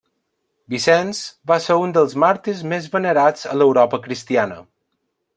Vicenç va ser un dels màrtirs més venerats a l'Europa cristiana.